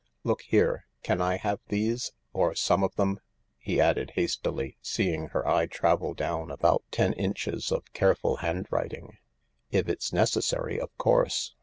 Look here, can I have these, or some of them ?" he added hastily, seeing her eye travel down about ten inches of careful handwriting. " If it's necessary, of course.